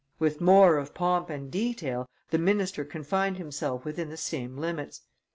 With more of pomp and detail, the minister confined himself within the same limits.